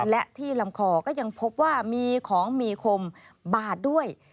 และที่ลำคอก็ยังพบว่ามีของมีคมบาดด้วย